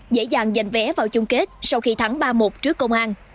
dễ dàng giành vé vào chung kết sau khi thắng ba một trước công an